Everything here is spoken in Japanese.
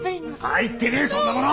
入ってねえそんなもの！